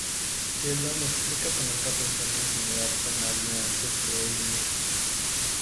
Sheldon explica que nunca pensó en la intimidad con nadie antes que Amy.